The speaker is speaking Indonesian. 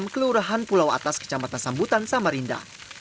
ke lurahan pulau atas kecamatan sambutan samarinda